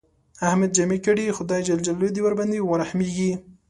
احمد جامې کړې، خدای ج دې ورباندې ورحمېږي.